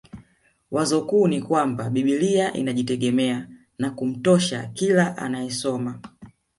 Wazo kuu ni kwamba biblia inajitegemea na kumtosha kila anayesoma